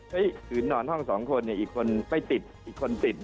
คืนนอนห้อง๒คนอีกคนไม่ติดอีกคนติด